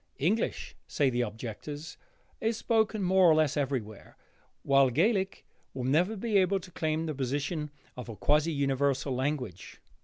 English, say the objectors, is spoken more or less everywhere, while Gaelic will never be able to claim the position of a quasi universal language.